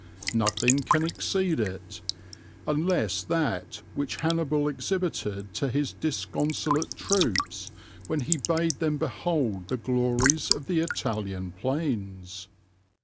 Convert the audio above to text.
Nothing can exceed it, unless that which Hannibal exhibited to his disconsolate troops, when he bade them behold the glories of the Italian plains!